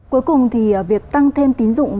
cuối cùng thì việc tăng thêm tín dụng